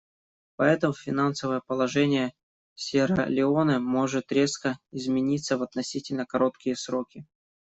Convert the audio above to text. Поэтому финансовое положение Сьерра-Леоне может резко измениться в относительно короткие сроки.